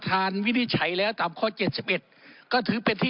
ครับครับครับครับครับครับครับครับครับครับครับครับครับครับครับ